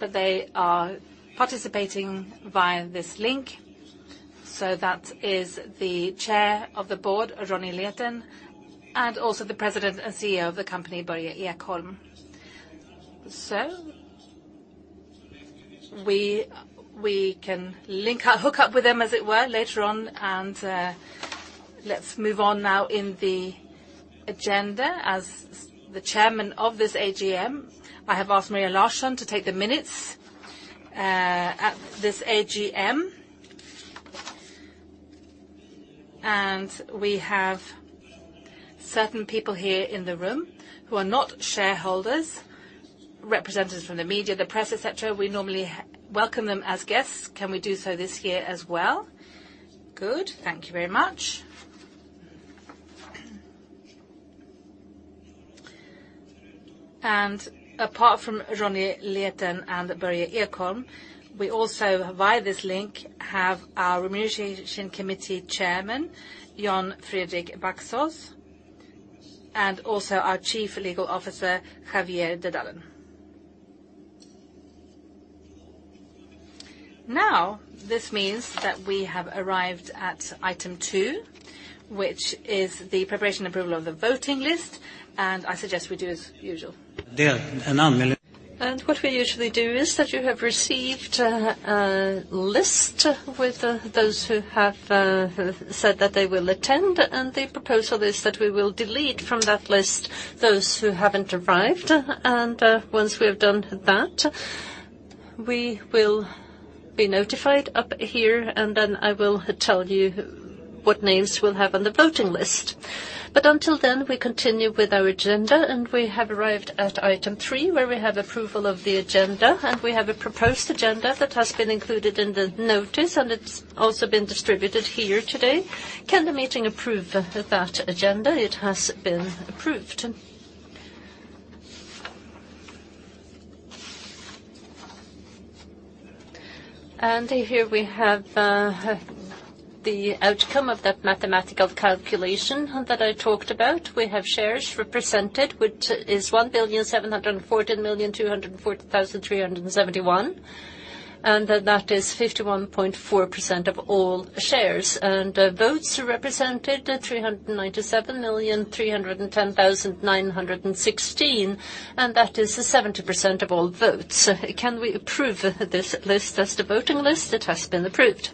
They are participating via this link. That is the Chair of the Board, Ronnie Leten, and also the President and CEO of the company, Börje Ekholm. We can hook up with them, as it were, later on. Let's move on now in the agenda. As the Chairman of this AGM, I have asked Maria Larsson to take the minutes at this AGM. We have certain people here in the room who are not shareholders, representatives from the media, the press, etc. We normally welcome them as guests. Can we do so this year as well? Good. Thank you very much. Apart from Ronnie Leten and Börje Ekholm, we also, via this link, have our Remuneration Committee Chairman, Jon Fredrik Baksaas, and also our Chief Legal Officer, Xavier Dedullen. This means that we have arrived at Item 2, which is the preparation approval of the Voting List, and I suggest we do as usual. What we usually do is that you have received a list with those who have said that they will attend. The proposal is that we will delete from that list those who haven't arrived. Once we have done that, we will be notified up here, and then I will tell you what names we'll have on the Voting List. Until then, we continue with our agenda, and we have arrived at Item 3, where we have approval of the agenda, and we have a proposed agenda that has been included in the notice, and it's also been distributed here today. Can the meeting approve that agenda? It has been approved. Here we have the outcome of that mathematical calculation that I talked about. We have shares represented, which is 1,714,240,371, and that is 51.4% of all shares. Votes represented, 397,310,916, and that is 70% of all votes. Can we approve this list as the voting list? It has been approved.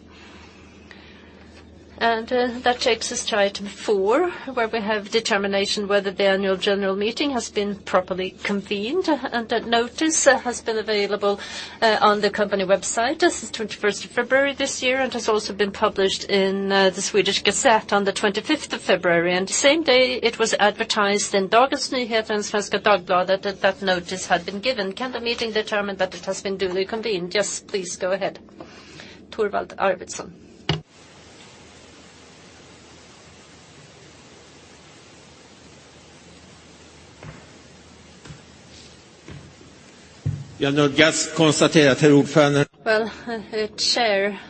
That takes us to Item 4, where we have determination whether the annual general meeting has been properly convened, and that notice has been available on the company website as of 21st February this year and has also been published in the Swedish Gazette on the 25th February. Same day it was advertised in Dagens Nyheter and Svenska Dagbladet that that notice had been given. Can the meeting determine that it has been duly convened? Yes, please go ahead. Thorwald Arvidsson. Well, Chair,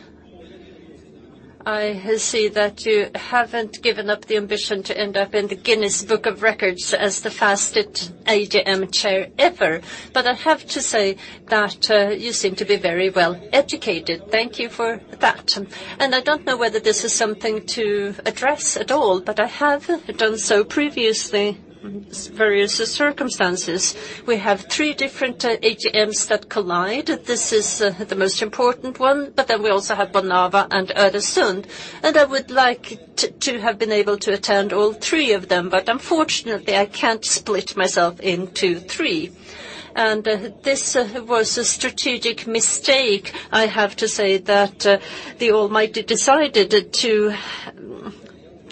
I see that you haven't given up the ambition to end up in the Guinness World Records as the fastest AGM chair ever. I have to say that you seem to be very well educated. Thank you for that. I don't know whether this is something to address at all, but I have done so previously. Various circumstances. We have three different AGMs that collide. This is the most important one. Then we also have Bonava and Öresund, and I would like to have been able to attend all three of them, but unfortunately, I can't split myself into three. This was a strategic mistake, I have to say, that the Almighty decided to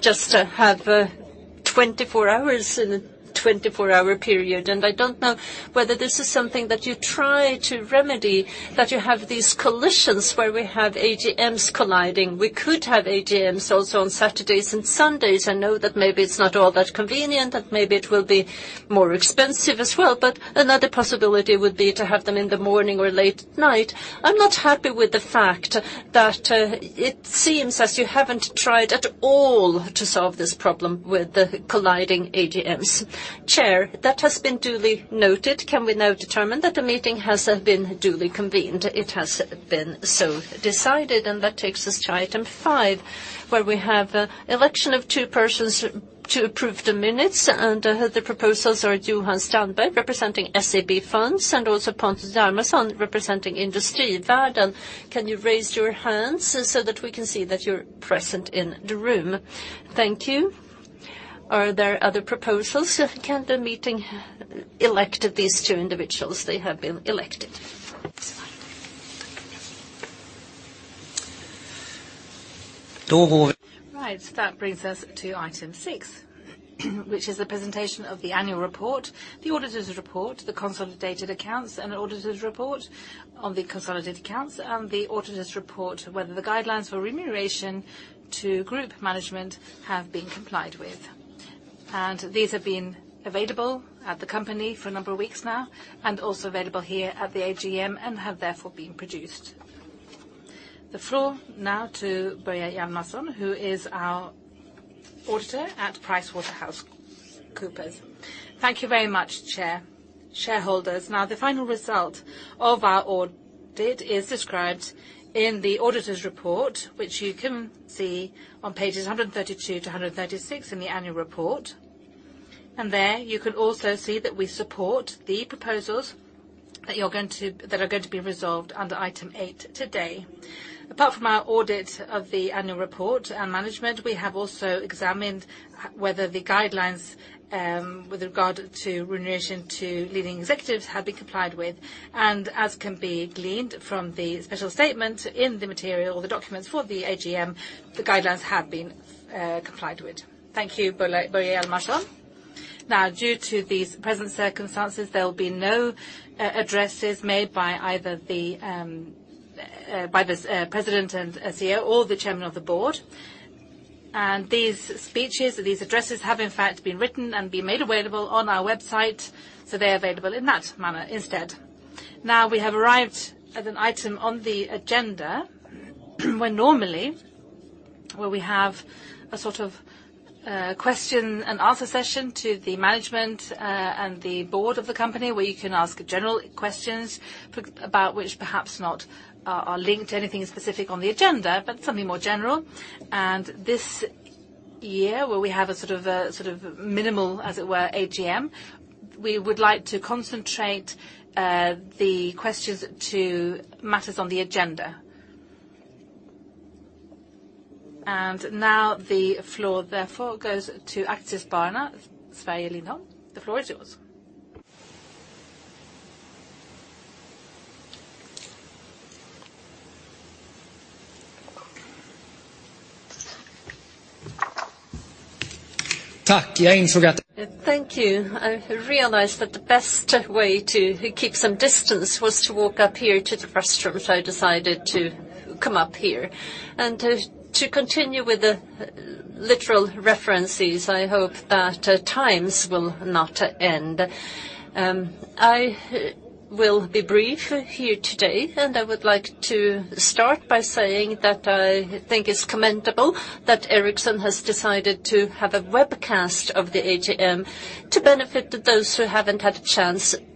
just have 24 hours in a 24-hour period. I don't know whether this is something that you try to remedy, that you have these collisions where we have AGMs colliding. We could have AGMs also on Saturdays and Sundays. I know that maybe it's not all that convenient, and maybe it will be more expensive as well. Another possibility would be to have them in the morning or late at night. I'm not happy with the fact that it seems as you haven't tried at all to solve this problem with the colliding AGMs. Chair, that has been duly noted. Can we now determine that the meeting has been duly convened? It has been so decided. That takes us to Item 5, where we have election of two persons to approve the minutes, and the proposals are Johan Stenberg, representing SEB Funds, and also Pontus Dalmasson, representing Industrivärden. Can you raise your hands so that we can see that you're present in the room? Thank you. Are there other proposals? Can the meeting elect these two individuals? They have been elected. That brings us to Item 6, which is the presentation of the annual report, the auditor's report, the consolidated accounts, and auditor's report on the consolidated accounts, and the auditor's report whether the guidelines for remuneration to group management have been complied with. These have been available at the company for a number of weeks now and also available here at the AGM and have therefore been produced. The floor now to Bo Hjalmarsson, who is our auditor at PricewaterhouseCoopers. Thank you very much, chair, shareholders. Now, the final result of our audit is described in the auditor's report, which you can see on pages 132 to 136 in the annual report. There you can also see that we support the proposals that are going to be resolved under Item 8 today. Apart from our audit of the annual report and management, we have also examined whether the guidelines, with regard to remuneration to leading executives, have been complied with, and as can be gleaned from the special statement in the material, the documents for the AGM, the guidelines have been complied with. Thank you, Bo Hjalmarsson. Now, due to these present circumstances, there will be no addresses made by either the President and CEO or the Chairman of the Board. These speeches, these addresses have, in fact, been written and been made available on our website, so they're available in that manner instead. Now, we have arrived at an item on the agenda, where normally, where we have a sort of question-and-answer session to the management and the board of the company, where you can ask general questions about which perhaps are not linked to anything specific on the agenda, but something more general. This year where we have a sort of minimal, as it were, AGM, we would like to concentrate the questions to matters on the agenda. Now the floor therefore goes to Aktieägare, Svea Lindholm. The floor is yours. Thank you. I realized that the best way to keep some distance was to walk up here to the rostrum, so I decided to come up here. To continue with the literal references, I hope that times will not end. I will be brief here today, and I would like to start by saying that I think it's commendable that Ericsson has decided to have a webcast of the AGM to benefit those who haven't had a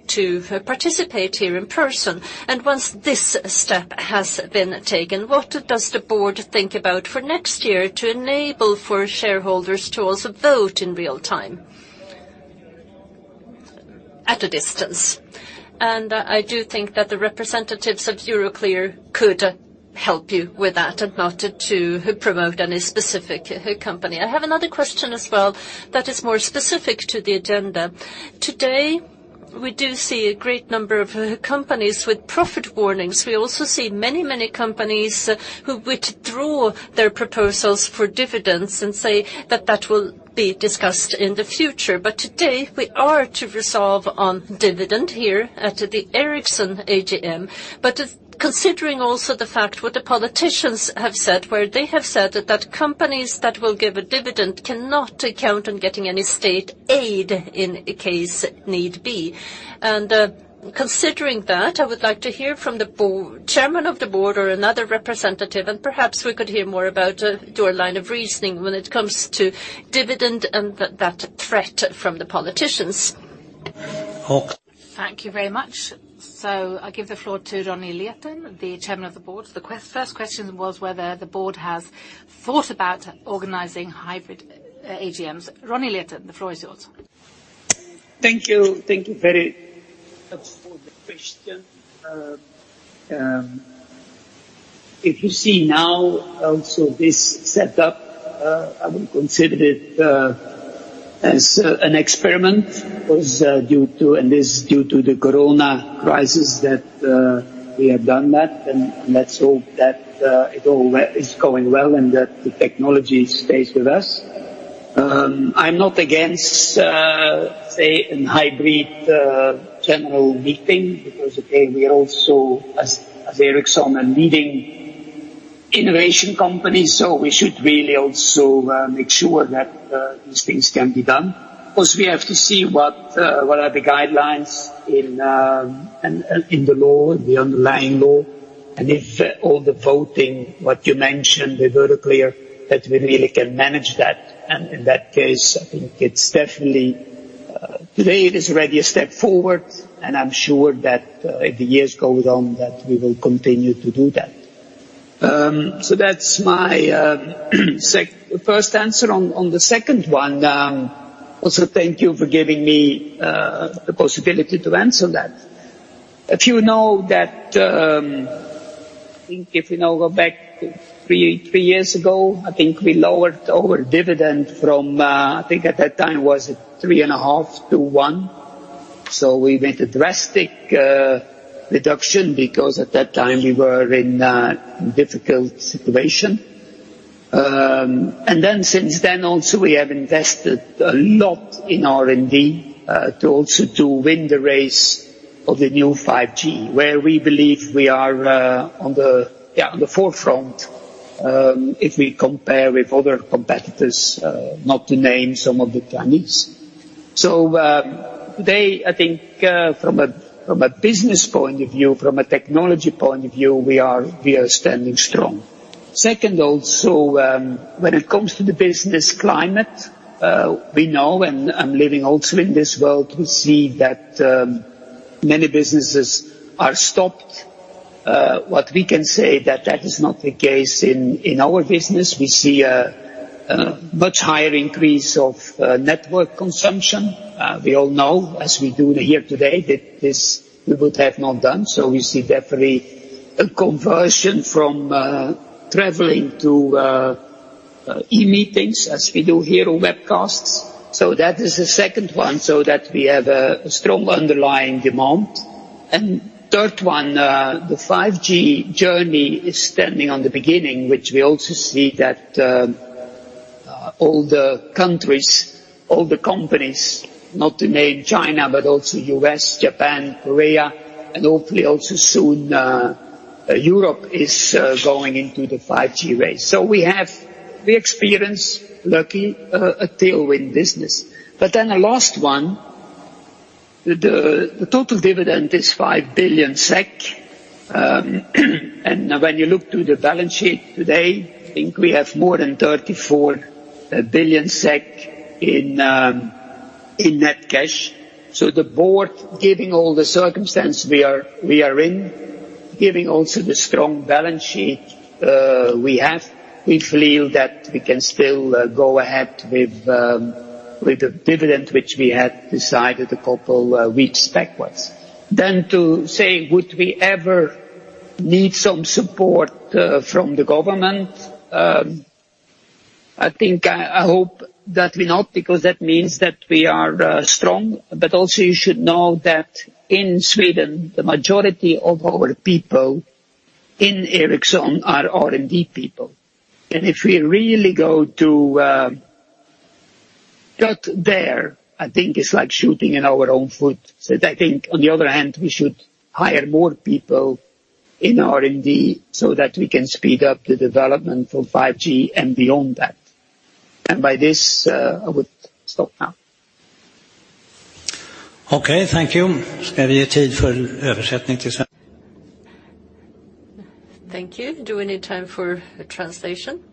chance to participate here in person. Once this step has been taken, what does the board think about for next year to enable for shareholders to also vote in real-time at a distance? I do think that the representatives of Euroclear could help you with that and not to promote any specific company. I have another question as well that is more specific to the agenda. Today, we do see a great number of companies with profit warnings. We also see many companies who withdraw their proposals for dividends and say that that will be discussed in the future. Today we are to resolve on dividend here at the Ericsson AGM. Considering also the fact what the politicians have said, where they have said that companies that will give a dividend cannot count on getting any state aid in case need be. Considering that, I would like to hear from the Chairman of the Board or another representative, and perhaps we could hear more about your line of reasoning when it comes to dividend and that threat from the politicians. Thank you very much. I give the floor to Ronnie Leten, the Chairman of the Board. The first question was whether the Board has thought about organizing hybrid AGMs. Ronnie Leten, the floor is yours. Thank you. Thank you very much for the question. If you see now also this setup, I would consider it as an experiment, and this is due to the corona crisis that we have done that, and let's hope that it all is going well and that the technology stays with us. I'm not against, say, a hybrid general meeting because, again, we also, as Ericsson, a leading innovation company, so we should really also make sure that these things can be done. Of course, we have to see what are the guidelines in the law, the underlying law, and if all the voting, what you mentioned, with Euroclear, that we really can manage that. In that case, I think it's definitely. Today, it is already a step forward, and I'm sure that if the years go on, that we will continue to do that. That's my first answer. On the second one, also, thank you for giving me the possibility to answer that. If you know that, I think if we now go back three years ago, I think we lowered our dividend from, I think at that time it was 3.5 to 1. We made a drastic reduction because at that time we were in a difficult situation. Since then also, we have invested a lot in R&D to also to win the race of the new 5G, where we believe we are on the forefront, if we compare with other competitors, not to name some of the companies. Today, I think from a business point of view, from a technology point of view, we are standing strong. Second, also, when it comes to the business climate, we know, and I'm living also in this world, we see that many businesses are stopped. What we can say that that is not the case in our business. We see a much higher increase of network consumption. We all know as we do here today, that this we would have not done. We see definitely a conversion from traveling to e-meetings as we do here or webcasts. That is the second one, so that we have a strong underlying demand. Third one, the 5G journey is standing on the beginning, which we also see that all the countries, all the companies, not to name China, but also U.S., Japan, Korea, and hopefully also soon, Europe is going into the 5G race. We experience, lucky, a tailwind business. A last one, the total dividend is 5 billion SEK. When you look to the balance sheet today, I think we have more than 34 billion SEK in net cash. The board, giving all the circumstance we are in, giving also the strong balance sheet we have, we feel that we can still go ahead with the dividend, which we had decided a couple weeks backwards. To say, would we ever need some support from the government? I think, I hope that we not, because that means that we are strong, but also you should know that in Sweden, the majority of our people in Ericsson are R&D people. If we really go to cut there, I think it's like shooting in our own foot. I think on the other hand, we should hire more people in R&D so that we can speed up the development of 5G and beyond that. By this, I would stop now. Okay, thank you. Thank you. Do we need time for translation?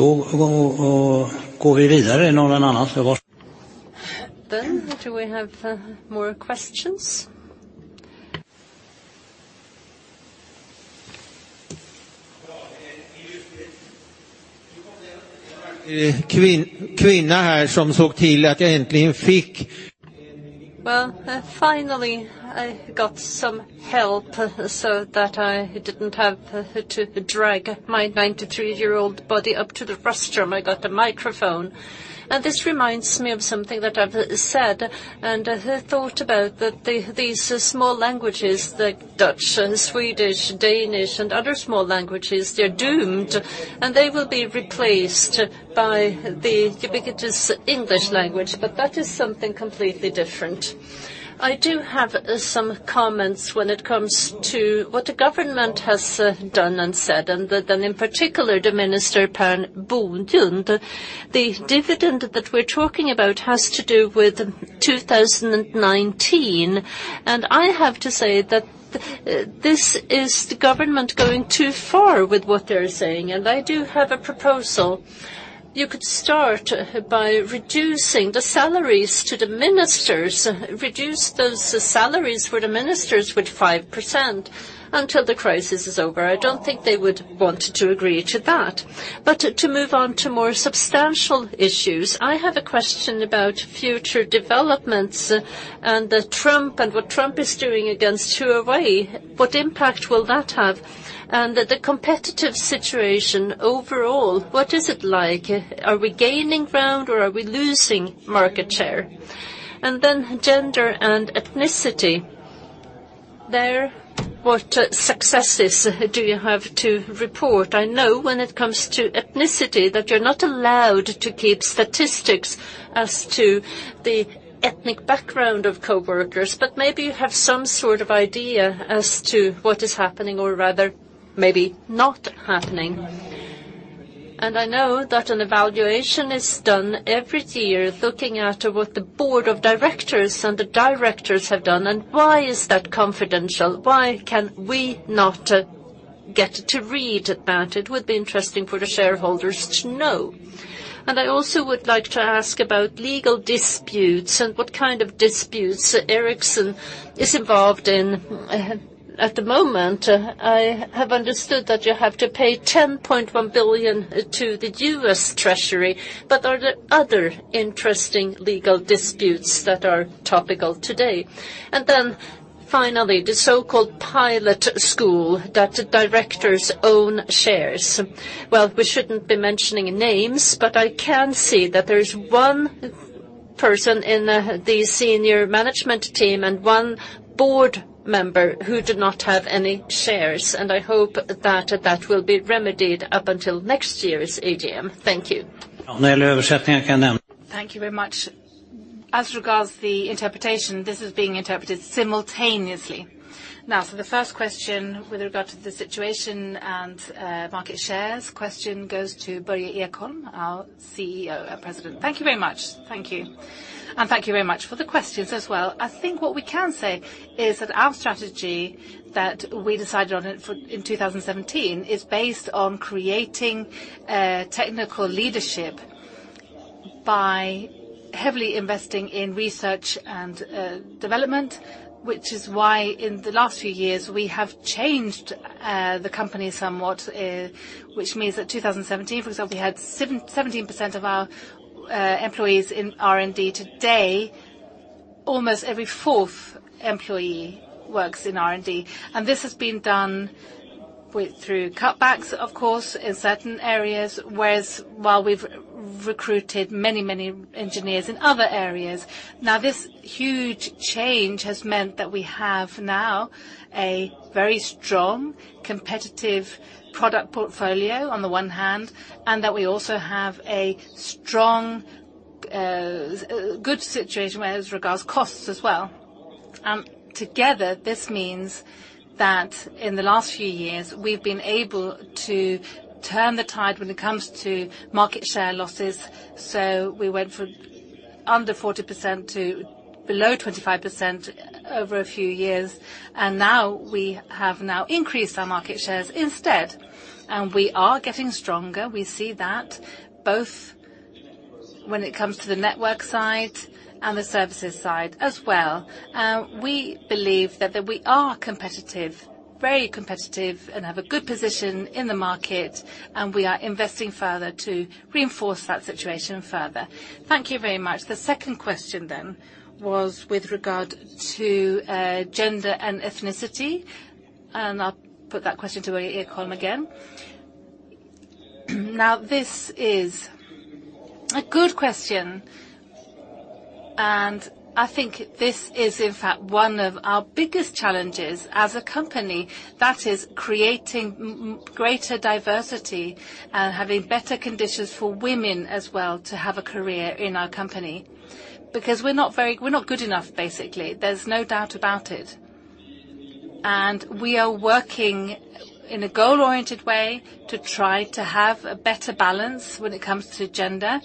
Okay. Do we have more questions? Well, finally, I got some help so that I didn't have to drag my 93-year-old body up to the restroom. I got a microphone. This reminds me of something that I've said and thought about that these small languages like Dutch and Swedish, Danish, and other small languages, they're doomed, and they will be replaced by the ubiquitous English language, but that is something completely different. I do have some comments when it comes to what the government has done and said, and then in particular, the Minister Per Bolund. The dividend that we're talking about has to do with 2019, and I have to say that this is the government going too far with what they're saying, and I do have a proposal. You could start by reducing the salaries to the ministers, reduce those salaries for the ministers with 5% until the crisis is over. I don't think they would want to agree to that. To move on to more substantial issues, I have a question about future developments and Trump and what Trump is doing against Huawei. What impact will that have? The competitive situation overall, what is it like? Are we gaining ground, or are we losing market share? Gender and ethnicity. There, what successes do you have to report? I know when it comes to ethnicity, that you're not allowed to keep statistics as to the ethnic background of coworkers, but maybe you have some sort of idea as to what is happening, or rather maybe not happening. I know that an evaluation is done every year looking at what the Board of Directors and the directors have done, why is that confidential? Why can we not get to read that? It would be interesting for the shareholders to know. I also would like to ask about legal disputes and what kind of disputes Ericsson is involved in at the moment. I have understood that you have to pay $10.1 billion to the U.S. Treasury. Are there other interesting legal disputes that are topical today? Finally, the so-called pilot school that directors own shares. Well, we shouldn't be mentioning names, but I can see that there's one Person in the senior management team and one board member who did not have any shares. I hope that will be remedied up until next year's AGM. Thank you. Thank you very much. As regards the interpretation, this is being interpreted simultaneously. Now, for the first question with regard to the situation and market shares, question goes to Börje Ekholm, our CEO and President. Thank you very much. Thank you. Thank you very much for the questions as well. I think what we can say is that our strategy that we decided on in 2017 is based on creating technical leadership by heavily investing in research and development, which is why in the last few years, we have changed the company somewhat, which means that 2017, for example, we had 17% of our employees in R&D. Today, almost every fourth employee works in R&D. This has been done through cutbacks, of course, in certain areas, whereas while we've recruited many engineers in other areas. Now this huge change has meant that we have now a very strong, competitive product portfolio on the one hand, and that we also have a strong, good situation with regards costs as well. Together, this means that in the last few years, we've been able to turn the tide when it comes to market share losses. We went from under 40% to below 25% over a few years. Now we have now increased our market shares instead, and we are getting stronger. We see that both when it comes to the network side and the services side as well. We believe that we are competitive, very competitive, and have a good position in the market, and we are investing further to reinforce that situation further. Thank you very much. The second question was with regard to gender and ethnicity. I'll put that question to Börje Ekholm again. This is a good question. I think this is in fact one of our biggest challenges as a company. That is creating greater diversity and having better conditions for women as well to have a career in our company. We're not good enough, basically. There's no doubt about it. We are working in a goal-oriented way to try to have a better balance when it comes to gender.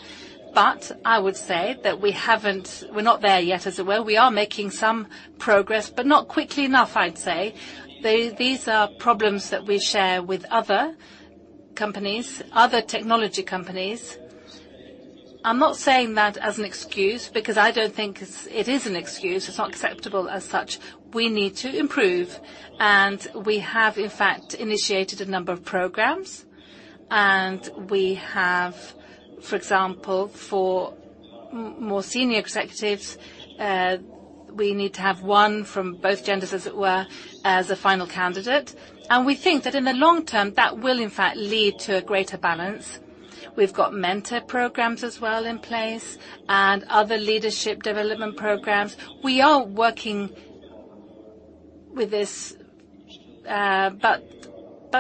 I would say that we're not there yet, as it were. We are making some progress, but not quickly enough, I'd say. These are problems that we share with other companies, other technology companies. I'm not saying that as an excuse because I don't think it is an excuse. It's not acceptable as such. We need to improve. We have, in fact, initiated a number of programs. We have, for example, for more senior executives, we need to have one from both genders, as it were, as a final candidate. We think that in the long term, that will in fact lead to a greater balance. We've got mentor programs as well in place and other leadership development programs. We are working with this.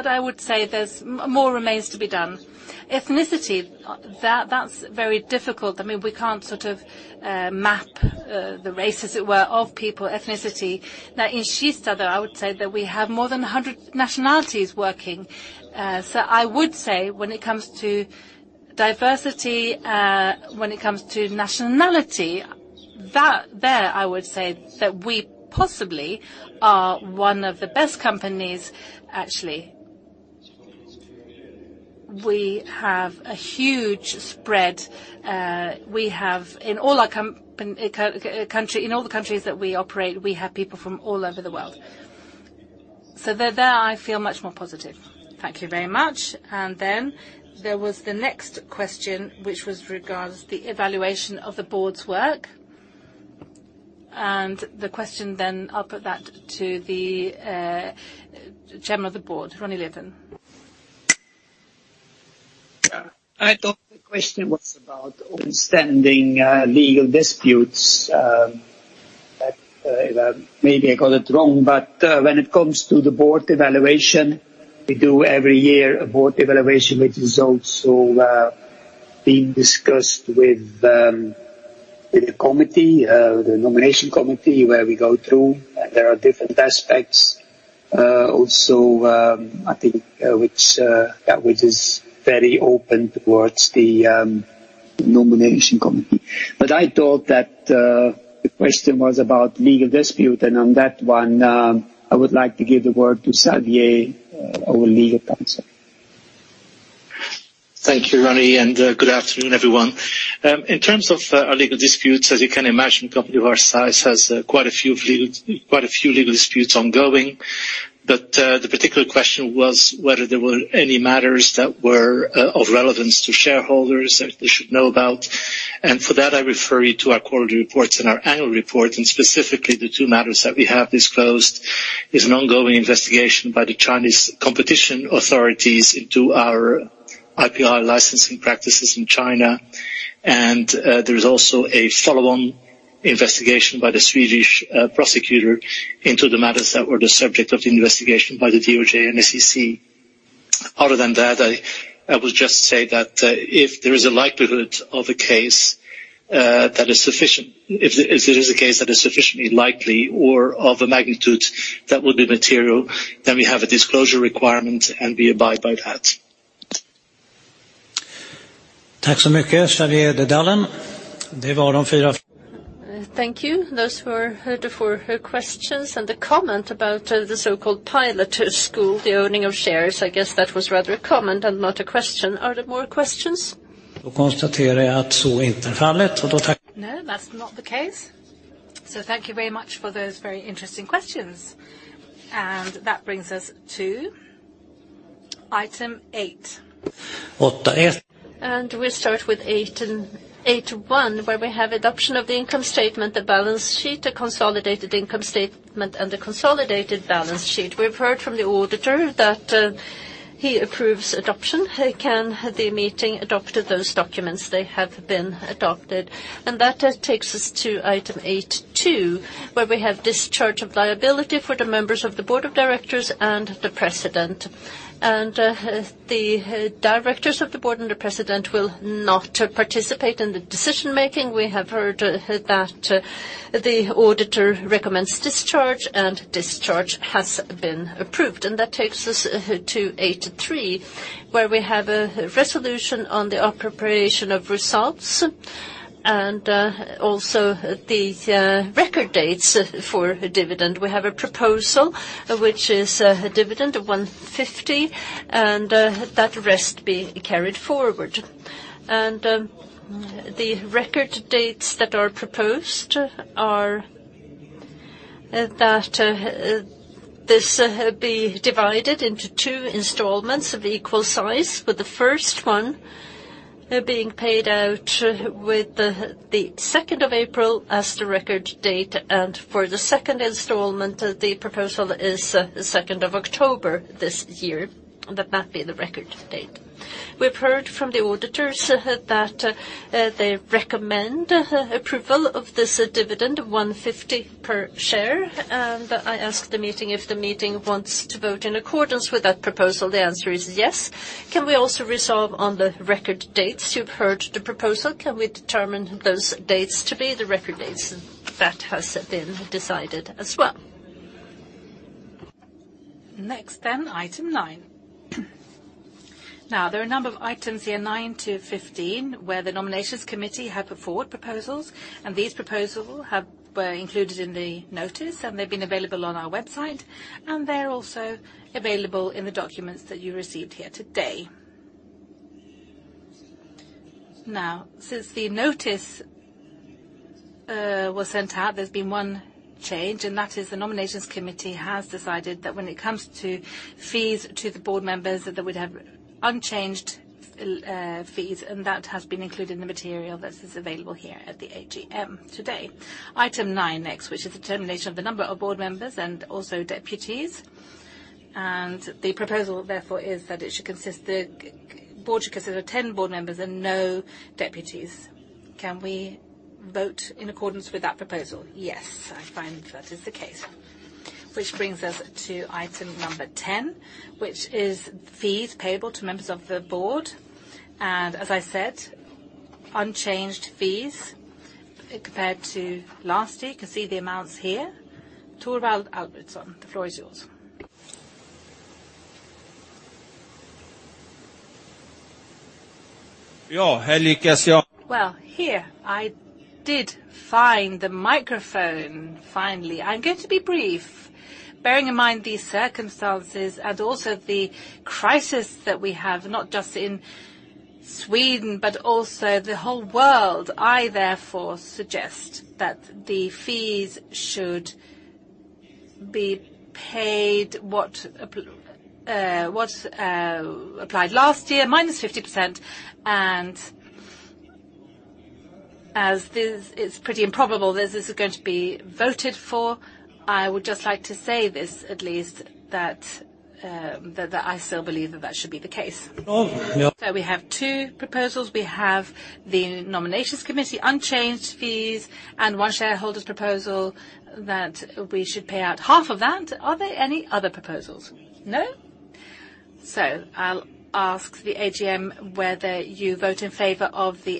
I would say more remains to be done. Ethnicity, that's very difficult. We can't sort of map the race, as it were, of people, ethnicity. In Kista, I would say that we have more than 100 nationalities working. I would say when it comes to diversity, when it comes to nationality, there I would say that we possibly are one of the best companies, actually. We have a huge spread. In all the countries that we operate, we have people from all over the world. There, I feel much more positive. Thank you very much. There was the next question, which was regards the evaluation of the Board's work. The question then, I'll put that to the Chairman of the Board, Ronnie Leten. I thought the question was about outstanding legal disputes. When it comes to the board evaluation, we do every year a board evaluation, which is also being discussed with the committee, the Nomination Committee, where we go through. There are different aspects also, I think, which is very open towards the Nomination Committee. I thought that the question was about legal dispute, and on that one, I would like to give the word to Xavier, our legal counsel. Thank you, Ronnie, and good afternoon, everyone. In terms of our legal disputes, as you can imagine, a company of our size has quite a few legal disputes ongoing. The particular question was whether there were any matters that were of relevance to shareholders that they should know about. For that, I refer you to our quarterly reports and our annual report, and specifically the two matters that we have disclosed is an ongoing investigation by the Chinese competition authorities into our IPR licensing practices in China. There is also a follow-on investigation by the Swedish prosecutor into the matters that were the subject of the investigation by the DOJ and the SEC. Other than that, I will just say that if there is a likelihood of a case that is sufficient, if it is a case that is sufficiently likely or of a magnitude that would be material, then we have a disclosure requirement, and we abide by that. Thank you. Those who are heard for questions and the comment about the so-called pilot school, the owning of shares. I guess that was rather a comment and not a question. Are there more questions? No, that's not the case. Thank you very much for those very interesting questions. That brings us to Item 8. We'll start with Item 8.1, where we have adoption of the income statement, the balance sheet, a consolidated income statement, and a consolidated balance sheet. We've heard from the auditor that he approves adoption. Can the meeting adopt those documents? They have been adopted. That takes us to Item 8.2, where we have discharge of liability for the members of the Board of Directors and the President. The directors of the Board and the President will not participate in the decision-making. We have heard that the auditor recommends discharge, and discharge has been approved. That takes us to Item 8.3, where we have a resolution on the appropriation of results and also the record dates for dividend. We have a proposal, which is a dividend of 150 and that rest be carried forward. The record dates that are proposed are that this be divided into two installments of equal size. With the first one being paid out with the 2nd April as the record date. For the second installment, the proposal is 2nd October this year, that that be the record date. We've heard from the auditors that they recommend approval of this dividend of 150 per share. I ask the meeting if the meeting wants to vote in accordance with that proposal. The answer is yes. Can we also resolve on the record dates? You've heard the proposal. Can we determine those dates to be the record dates? That has been decided as well. Next, Item 9. There are a number of items here, 9 to 15, where the Nominations Committee have put forward proposals. These proposals were included in the notice. They've been available on our website. They're also available in the documents that you received here today. Since the notice was sent out, there's been one change. That is the Nominations Committee has decided that when it comes to fees to the Board members, they would have unchanged fees. That has been included in the material that is available here at the AGM today. Item 9 next, which is determination of the number of Board members and also deputies. The proposal therefore is that the board should consist of 10 board members and no deputies. Can we vote in accordance with that proposal? Yes, I find that is the case. Which brings us to Item number 10, which is fees payable to members of the board. As I said, unchanged fees compared to last year. You can see the amounts here. Thorwald Arvidsson, the floor is yours. Well, here I did find the microphone finally. I'm going to be brief. Bearing in mind these circumstances and also the crisis that we have, not just in Sweden, but also the whole world, I therefore suggest that the fees should be paid what applied last year -50%. As this is pretty improbable, this is going to be voted for. I would just like to say this at least that I still believe that that should be the case. We have two proposals. We have the Nominations Committee, unchanged fees, and one shareholder's proposal that we should pay out half of that. Are there any other proposals? No. I'll ask the AGM whether you vote in favor of the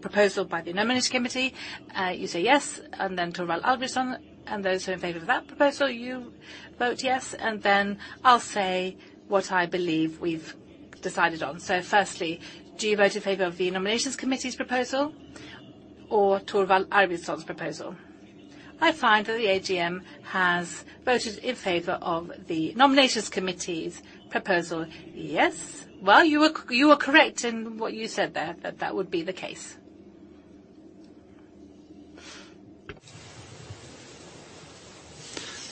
proposal by the Nominations Committee. You say yes, Thorwald Arvidsson and those who are in favor of that proposal, you vote yes. I'll say what I believe we've decided on. Firstly, do you vote in favor of the Nominations Committee's proposal or Thorwald Arvidsson proposal? I find that the AGM has voted in favor of the Nominations Committee's proposal. Yes. Well, you were correct in what you said there, that that would be the case.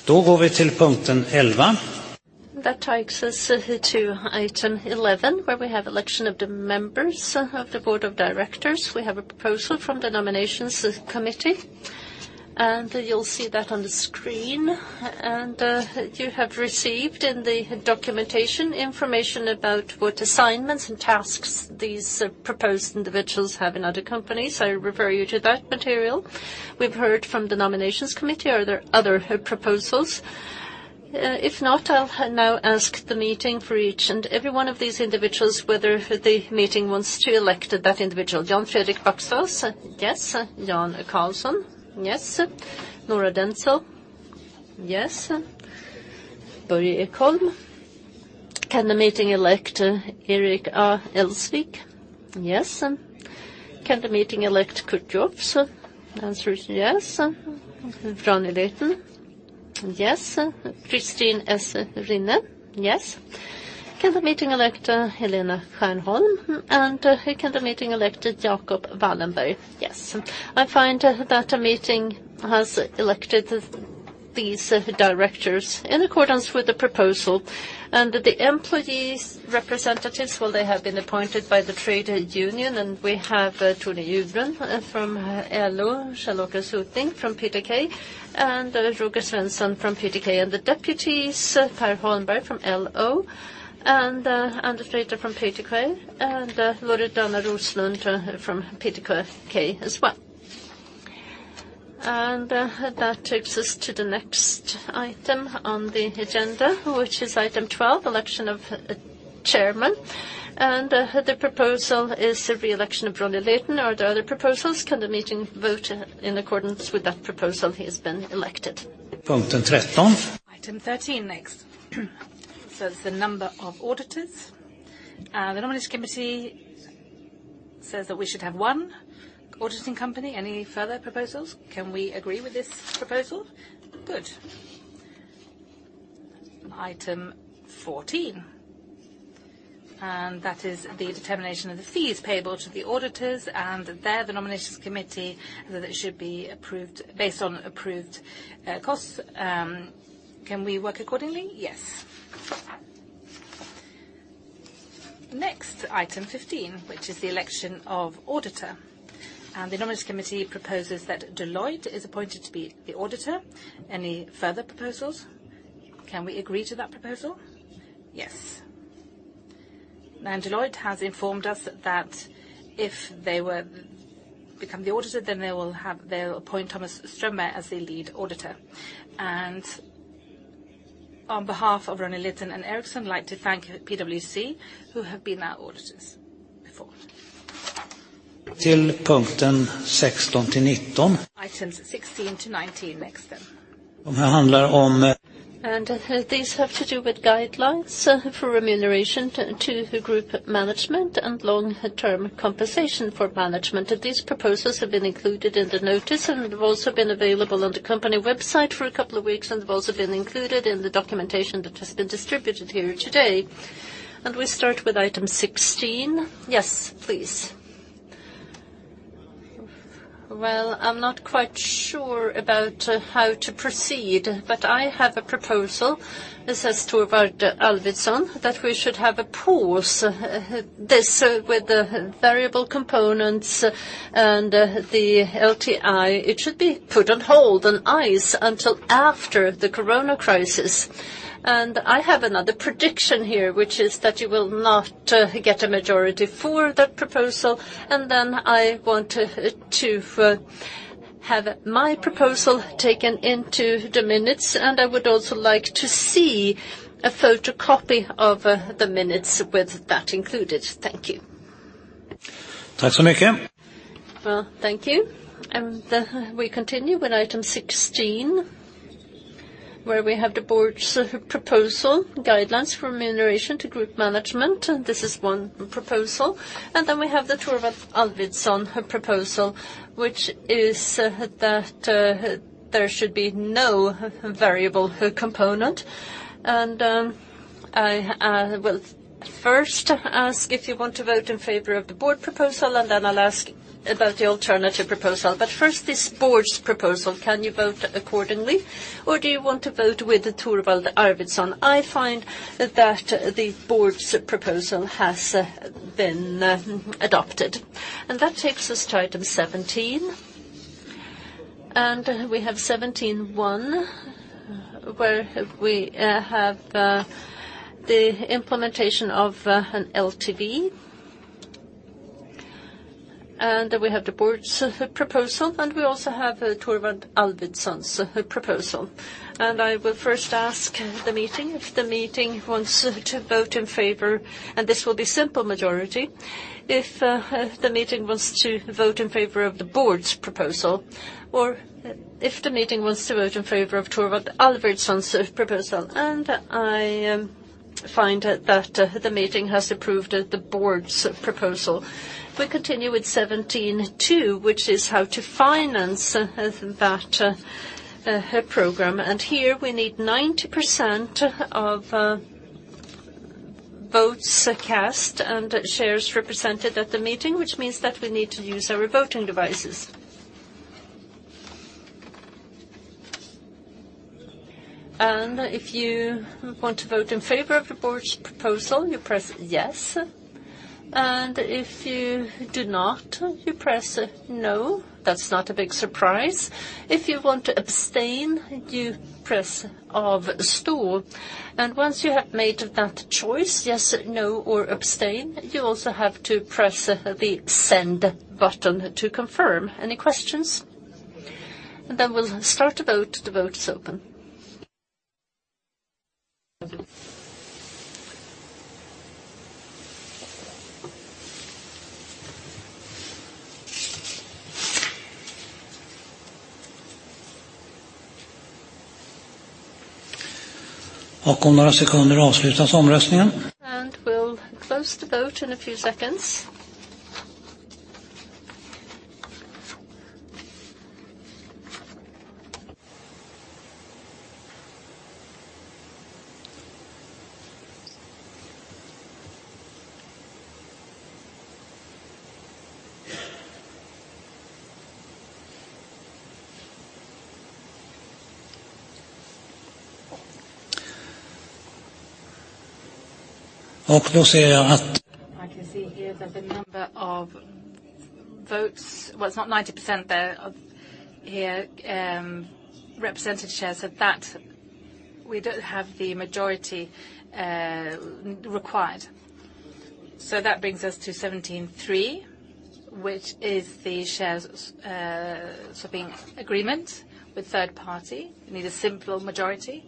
That takes us to Item 11, where we have election of the members of the board of directors. We have a proposal from the Nominations Committee. You'll see that on the screen. You have received in the documentation information about what assignments and tasks these proposed individuals have in other companies. I refer you to that material. We've heard from the Nominations Committee. Are there other proposals? If not, I'll now ask the meeting for each and every one of these individuals, whether the meeting wants to elect that individual. Jan-Fredrik Axelsson? Yes. Jan Carlson? Yes. Nora Denzel? Yes. Börje Ekholm. Can the meeting elect Eric A. Elzvik? Yes. Can the meeting elect Kurt Jofs? The answer is yes. Ronnie Leten? Yes. Kristin S. Rinne? Yes. Can the meeting elect Helena Stjernholm? Can the meeting elect Jacob Wallenberg? Yes. I find that the meeting has elected these directors in accordance with the proposal. The employees representatives, well, they have been appointed by the Trade Union, and we have Tony Jernström from LO, Kjell-Åke Soting from PTK, and Roger Svensson from PTK. The deputies, Per Holmberg from LO, and Anders Fredén from PTK, and Loredana Roslund from PTK as well. That takes us to the next item on the agenda, which is Item 12, election of chairman. The proposal is the re-election of Ronnie Leten. Are there other proposals? Can the meeting vote in accordance with that proposal he has been elected. Item 13 next. Says the number of auditors. The nominations committee says that we should have one auditing company. Any further proposals? Can we agree with this proposal? Good. Item 14, that is the determination of the fees payable to the auditors, there the nominations committee that it should be based on approved costs. Can we work accordingly? Yes. Next, Item 15, which is the election of auditor. The nominations committee proposes that Deloitte is appointed to be the auditor. Any further proposals? Can we agree to that proposal? Yes. Deloitte has informed us that if they will become the auditor, then they'll appoint Thomas Ström as the Lead Auditor. On behalf of Ronnie Leten and Ericsson, we'd like to thank PwC, who have been our auditors before. Items 16-19 next. These have to do with guidelines for remuneration to the group management and long-term compensation for management. These proposals have been included in the notice, have also been available on the company website for a couple of weeks, have also been included in the documentation that has been distributed here today. We start with Item 16. Yes, please. Well, I'm not quite sure about how to proceed. I have a proposal. This is Thorwald Arvidsson, that we should have a pause. This with the variable components and the LTI, it should be put on hold, on ice, until after the Corona crisis. I have another prediction here, which is that you will not get a majority for that proposal, then I want to have my proposal taken into the minutes, and I would also like to see a photocopy of the minutes with that included. Thank you. Well, thank you. We continue with Item 16, where we have the board's proposal, guidelines for remuneration to group management, and this is one proposal. Then we have the Thorwald Arvidsson proposal, which is that there should be no variable component. I will first ask if you want to vote in favor of the board proposal, then I'll ask about the alternative proposal. First, this board's proposal, can you vote accordingly, or do you want to vote with Thorwald Arvidsson? I find that the board's proposal has been adopted. That takes us to Item 17. We have Item 17.1, where we have the implementation of an LTV. We have the board's proposal, and we also have Thorwald Arvidsson's proposal. I will first ask the meeting, if the meeting wants to vote in favor, and this will be simple majority, if the meeting wants to vote in favor of the board's proposal, or if the meeting wants to vote in favor of Thorwald Arvidsson's proposal. I find that the meeting has approved the board's proposal. If we continue with Item 17.2, which is how to finance that program. Here we need 90% of votes cast and shares represented at the meeting, which means that we need to use our voting devices. If you want to vote in favor of the board's proposal, you press Yes. If you do not, you press No. That's not a big surprise. If you want to abstain, you press Avstå. Once you have made that choice, Yes, No, or Abstain, you also have to press the Send button to confirm. Any questions? We'll start the vote. The vote is open. We'll close the vote in a few seconds. I can see here that the number of votes well, it's not 90% there, of here represented shares, so that we don't have the majority required. That brings us to Item 17.3 Which is the shares swapping agreement with third party. We need a simple majority.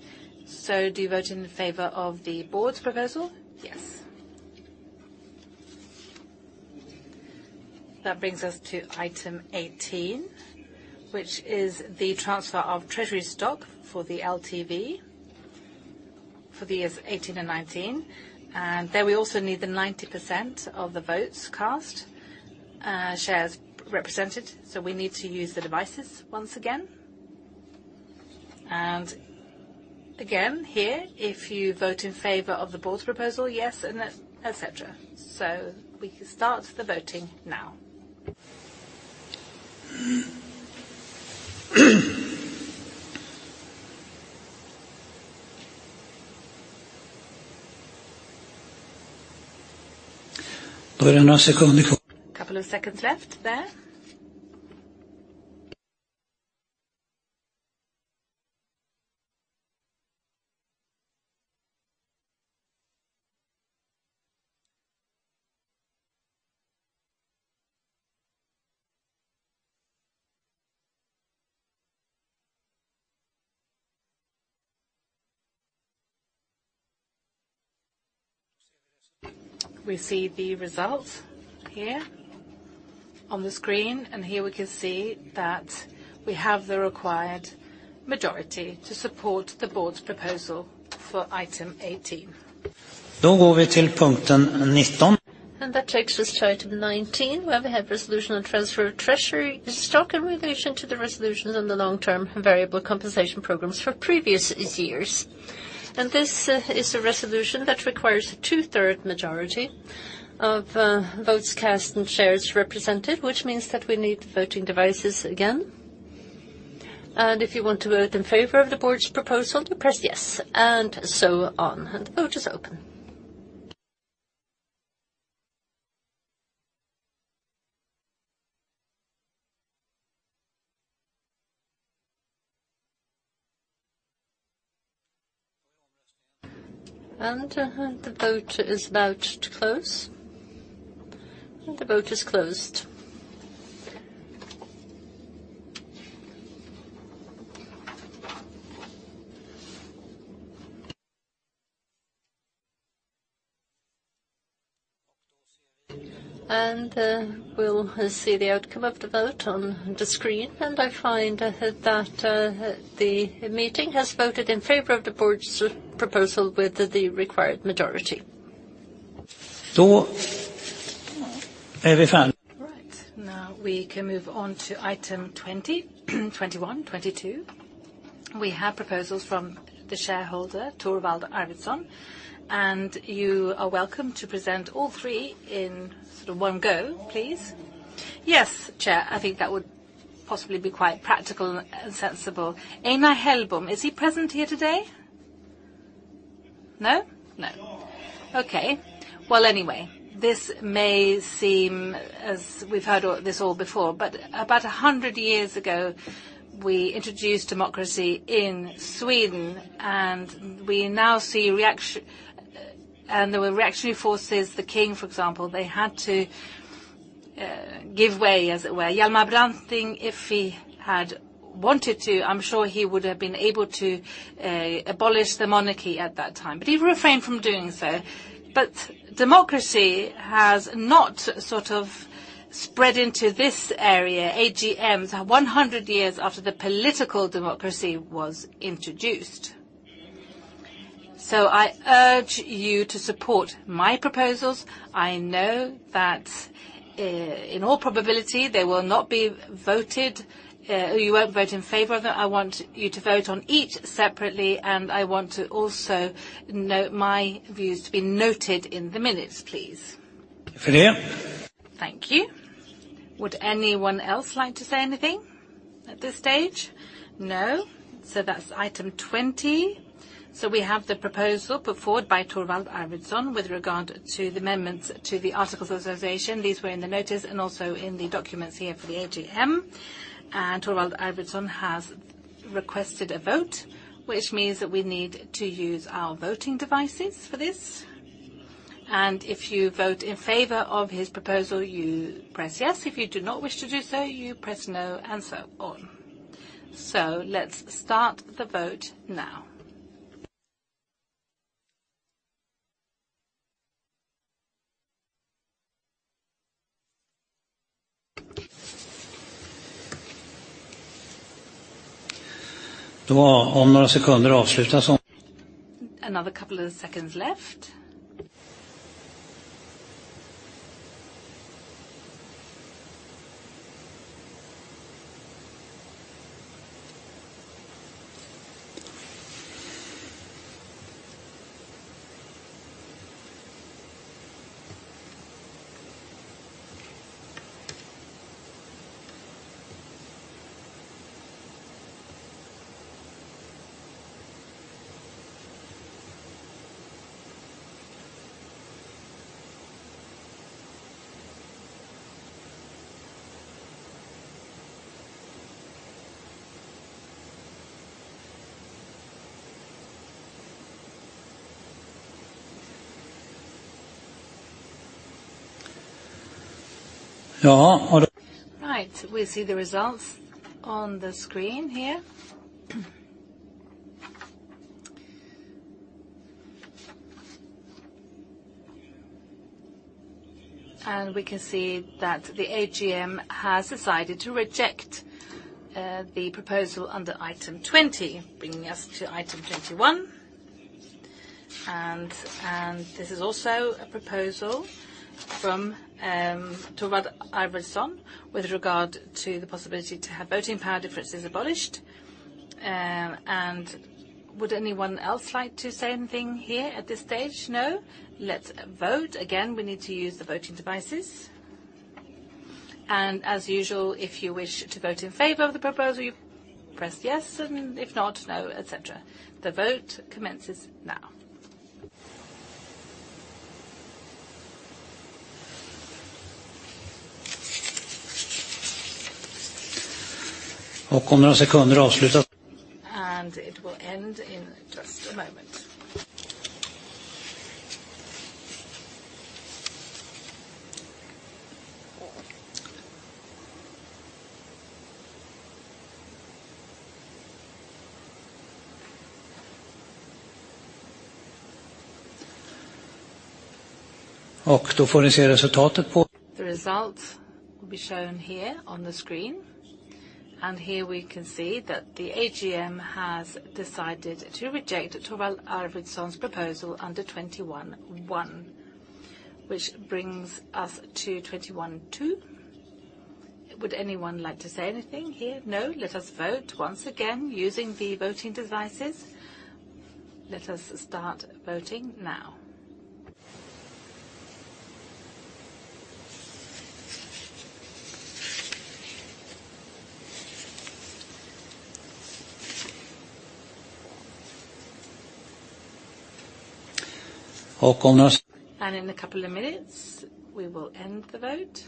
Do you vote in favor of the board's proposal? Yes. That brings us to Item 18, which is the transfer of treasury stock for the LTV for the years 2018 and 2019. There we also need the 90% of the votes cast shares represented, so we need to use the devices once again. Again here, if you vote in favor of the board's proposal, Yes, and etc. We can start the voting now. A couple of seconds left there. We see the results here on the screen. Here we can see that we have the required majority to support the board's proposal for Item 18. That takes us to Item 19, where we have resolution on transfer of treasury stock in relation to the resolution on the long-term variable compensation programs for previous years. This is a resolution that requires a two-third majority of votes cast and shares represented, which means that we need the voting devices again. If you want to vote in favor of the board's proposal, you press Yes, and so on. The vote is open. The vote is about to close. The vote is closed. We'll see the outcome of the vote on the screen, and I find that the meeting has voted in favor of the board's proposal with the required majority. Right. Now we can move on to Item 20, 21, 22. We have proposals from the shareholder, Thorwald Arvidsson. You are welcome to present all three in one go, please. Yes, Chair, I think that would possibly be quite practical and sensible. Einar Hellbom, is he present here today? No? No. Okay. Well, anyway, this may seem as we've heard this all before, but about 100 years ago, we introduced democracy in Sweden, and we now see reaction. There were reactionary forces. The king, for example, they had to give way, as it were. Hjalmar Branting, if he had wanted to, I'm sure he would have been able to abolish the monarchy at that time, but he refrained from doing so. Democracy has not spread into this area. AGMs are 100 years after the political democracy was introduced. I urge you to support my proposals. I know that in all probability, you won't vote in favor of it. I want you to vote on each separately, and I want to also note my views to be noted in the minutes, please. Thank you Would anyone else like to say anything at this stage? No. That's Item 20. We have the proposal put forward by Thorwald Arvidsson with regard to the amendments to the Articles of Association. These were in the notice and also in the documents here for the AGM. Thorwald Arvidsson has requested a vote, which means that we need to use our voting devices for this. If you vote in favor of his proposal, you press yes. If you do not wish to do so, you press no, and so on. Let's start the vote now. Another couple of seconds left. Right. We see the results on the screen here. We can see that the AGM has decided to reject the proposal under Item 20. Bringing us to Item 21. This is also a proposal from Thorwald Arvidsson with regard to the possibility to have voting power differences abolished. Would anyone else like to say anything here at this stage? No. Let's vote. Again, we need to use the voting devices. As usual, if you wish to vote in favor of the proposal, you press yes, and if not, no, etc. The vote commences now. It will end in just a moment. The results will be shown here on the screen. Here we can see that the AGM has decided to reject Thorwald Arvidsson's proposal under Item 21.1. Which brings us to Item 21.2. Would anyone like to say anything here? No. Let us vote once again using the voting devices. Let us start voting now. In a couple of minutes, we will end the vote.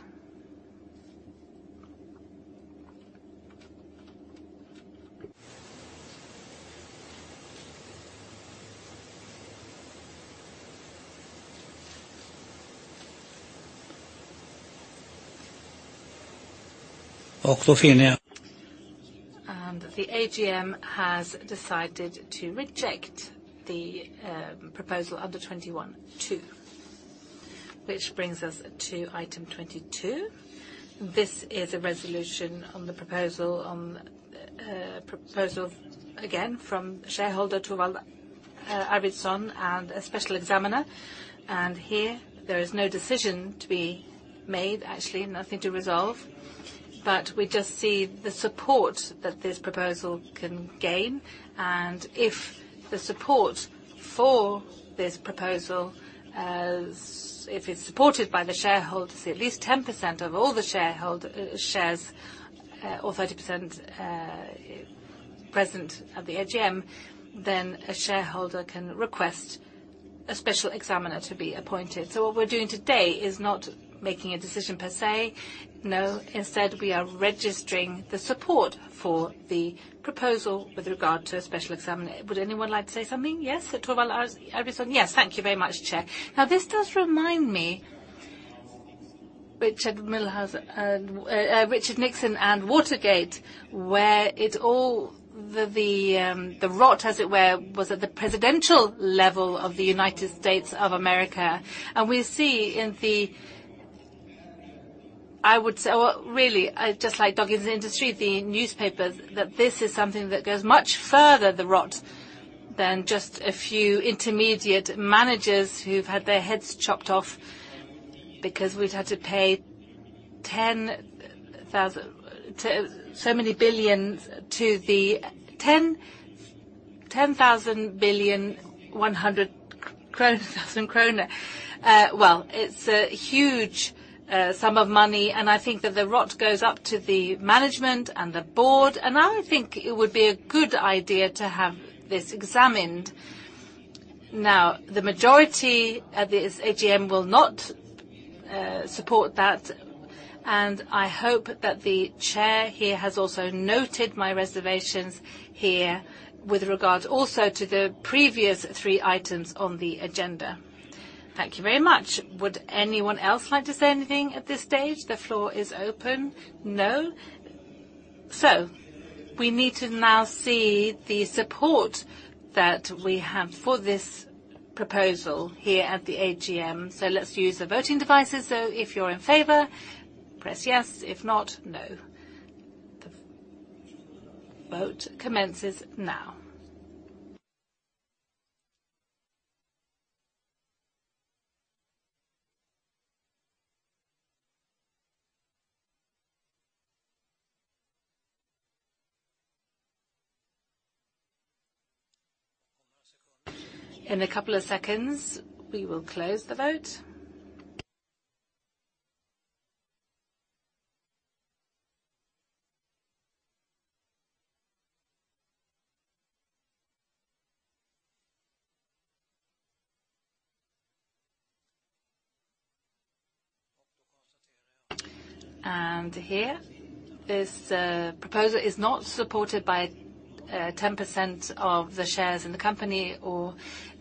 The AGM has decided to reject the proposal under Item 21.2. Which brings us to Item 22. This is a resolution on the proposal, again, from shareholder Thorwald Arvidsson and a special examiner. Here, there is no decision to be made, actually, nothing to resolve. We just see the support that this proposal can gain, and if the support for this proposal, if it's supported by the shareholders, at least 10% of all the shares or 30% present at the AGM, then a shareholder can request a special examiner to be appointed. What we're doing today is not making a decision per se. No. Instead, we are registering the support for the proposal with regard to a special examiner. Would anyone like to say something? Yes, Thorwald Arvidsson? Yes. Thank you very much, Chair. This does remind me, Richard Nixon and Watergate, where it all, the rot, as it were, was at the presidential level of the United States of America. We see in the I would say, really, just like dog-eat in the industry, the newspapers, that this is something that goes much further the rot than just a few intermediate managers who've had their heads chopped off because we've had to pay so many billions to the 10,000 billion, 100 kronor, 1,000 kronor. Well, it's a huge sum of money, I think that the rot goes up to the management and the board, I think it would be a good idea to have this examined. The majority of this AGM will not support that, and I hope that the Chair here has also noted my reservations here with regard also to the previous three items on the agenda. Thank you very much. Would anyone else like to say anything at this stage? The floor is open. No. We need to now see the support that we have for this proposal here at the AGM. Let's use the voting devices. If you're in favor, press yes. If not, no. The vote commences now. In a couple of seconds, we will close the vote. Here, this proposal is not supported by 10% of the shares in the company or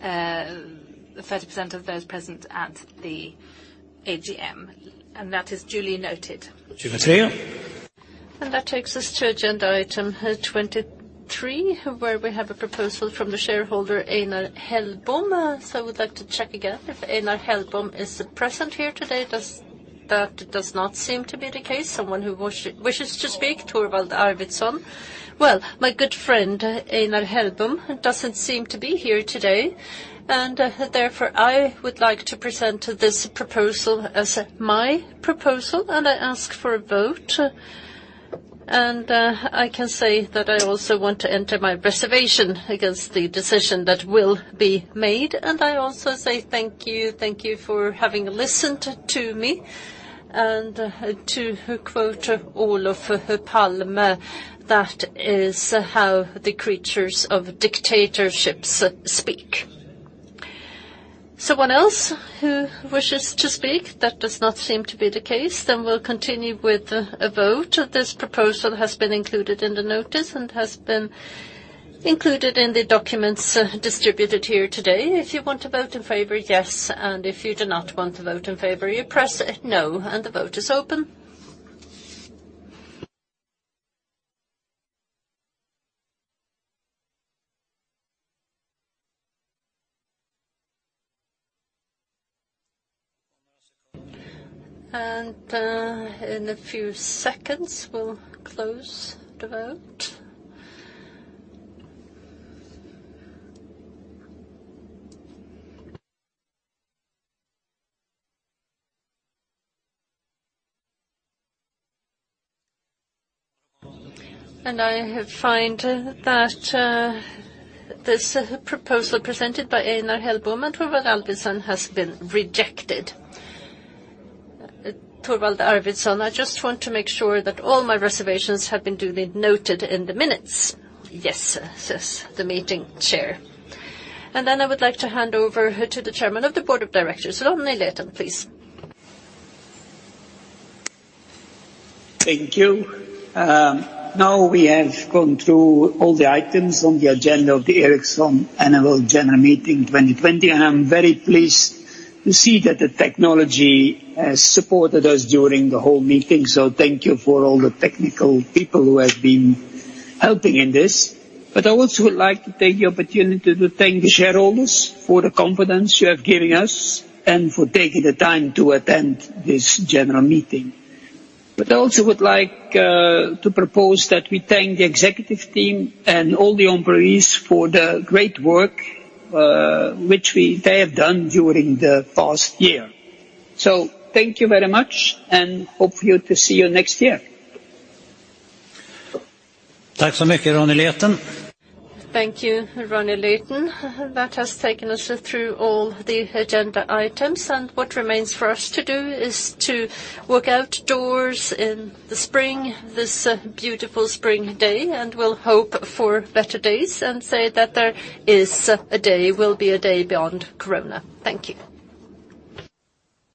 30% of those present at the AGM. That is duly noted. That takes us to agenda Item 23, where we have a proposal from the shareholder, Einar Hellbom. We'd like to check again if Einar Hellbom is present here today. That does not seem to be the case. Someone who wishes to speak, Thorwald Arvidsson. Well, my good friend, Einar Hellbom, doesn't seem to be here today, and therefore, I would like to present this proposal as my proposal, and I ask for a vote. I can say that I also want to enter my reservation against the decision that will be made. I also say thank you. Thank you for having listened to me. To quote Olof Palme, "That is how the creatures of dictatorships speak." Someone else who wishes to speak? That does not seem to be the case, then we'll continue with a vote. This proposal has been included in the notice and has been included in the documents distributed here today. If you want to vote in favor, yes, if you do not want to vote in favor, you press no. The vote is open. In a few seconds, we'll close the vote. I have found that this proposal presented by Einar Hellbom and Thorwald Arvidsson has been rejected. I just want to make sure that all my reservations have been duly noted in the minutes. "Yes," says the meeting chair. Then I would like to hand over to the Chairman of the Board of Directors, Ronnie Leten, please. Thank you. We have gone through all the items on the agenda of the Ericsson Annual General Meeting 2020. I'm very pleased to see that the technology has supported us during the whole meeting. Thank you for all the technical people who have been helping in this. I also would like to take the opportunity to thank the shareholders for the confidence you have given us and for taking the time to attend this general meeting. I also would like to propose that we thank the executive team and all the employees for the great work which they have done during the past year. Thank you very much. Hope to see you next year. Thank you, Ronnie Leten. That has taken us through all the agenda items. What remains for us to do is to walk outdoors in the spring, this beautiful spring day, and we'll hope for better days and say that there will be a day beyond corona. Thank you.